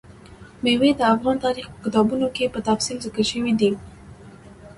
مېوې د افغان تاریخ په کتابونو کې په تفصیل ذکر شوي دي.